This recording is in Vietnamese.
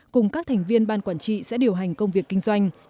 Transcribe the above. cùng các thành viên ban quản trị sẽ điều hành công việc kinh doanh